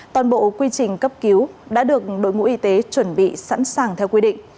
toàn bộ quy trình cấp cứu đã được đội ngũ y tế chuẩn bị sẵn sàng theo quy định